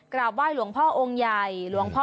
กราบไหว้หลวงพ่อองค์ใหญ่